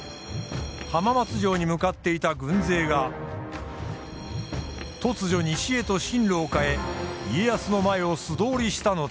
浜松城に向かっていた軍勢が突如西へと進路を変え家康の前を素通りしたのだ。